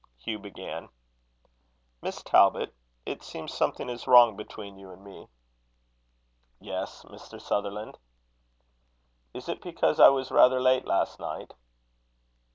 Hugh began: "Miss Talbot, it seems something is wrong between you and me." "Yes, Mr. Sutherland." "Is it because I was rather late last night."